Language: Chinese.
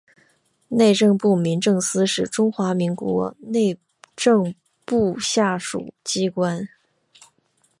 内政部民政司是中华民国内政部下属机关。